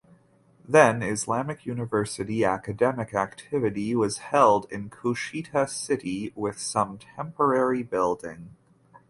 Then Islamic University academic activity was held in Kushtia city with some temporary building.